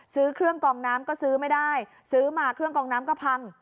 ซื้อเครื่องกองน้ำก็ซื้อไม่ได้ซื้อมาเครื่องกองน้ำก็พัง